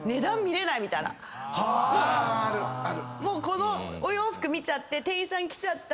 このお洋服見ちゃって店員さん来ちゃった。